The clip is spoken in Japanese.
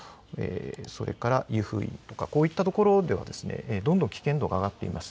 それから湯布院とか、こういったところではどんどん危険度が上がっています。